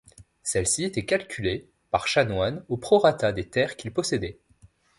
Celle-ci était calculée, par chanoine, au prorata des terres qu'il possédait.